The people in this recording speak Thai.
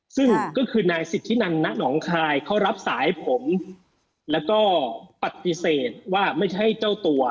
ซึ่งก็คือนายสิทธินันณหนองคายเขารับสายผมแล้วก็ปฏิเสธว่าไม่ใช่เจ้าตัว